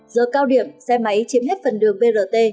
giờ cao điểm xe máy chiếm hết phần đường brt